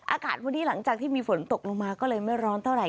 อากาศวันนี้หลังจากที่มีฝนตกลงมาก็เลยไม่ร้อนเท่าไห